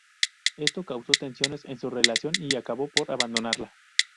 Esto causó tensiones en su relación y acabó por abandonarla.